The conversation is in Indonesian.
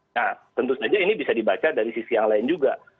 nah tentu saja ini bisa dibaca dari sisi yang lain juga